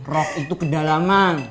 rock itu kedalaman